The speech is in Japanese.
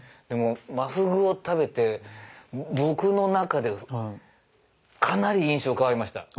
でも真フグを食べて僕の中でかなり印象変わりました。